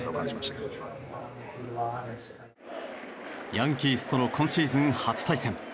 ヤンキースとの今シーズン初対戦。